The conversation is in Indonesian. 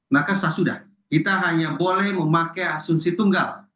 maka sesudah kita hanya boleh memakai asumsi tunggal